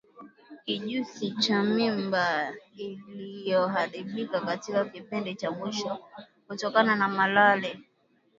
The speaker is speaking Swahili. Kijusi cha mimba iliyoharibika katika kipindi cha mwisho kutokana na malale